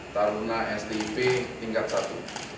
taruna stip tingkat satu